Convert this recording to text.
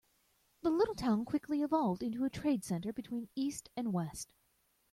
The little town quickly evolved into a trade center between east and west.